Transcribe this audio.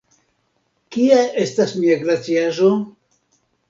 Kie estas mia glaciaĵo?